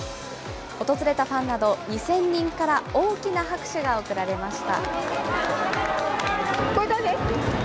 訪れたファンなど２０００人から大きな拍手が送られました。